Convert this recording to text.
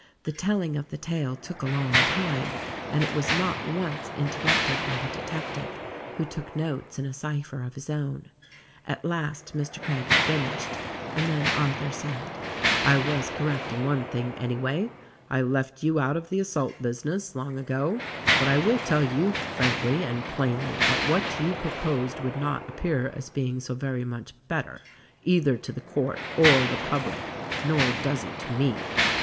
The telling of the tale took a long time and it was not once interrupted by the detective, who took notes in a cypher of his own. At last Mr. Craggie finished ; and then Arthur said, "I was correct in one thing, anyway: I left you out of the assault business, long ago ; but I will tell you frankly and plainly that what you proposed would not appear as being so very much better, either to the court or the public — nor does it to me.